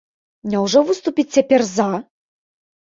Няўжо выступіць цяпер за?